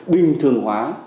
bình thường hóa